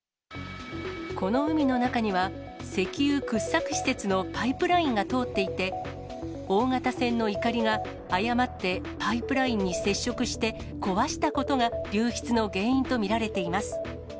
この海の中には、石油掘削施設のパイプラインが通っていて、大型船のいかりが誤ってパイプラインに接触して、壊したことが流出の原因と見られています。